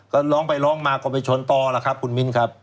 ก็ร้องไปร้องมาก็ไปชนต่อล่ะครับคุณมิ้นครับ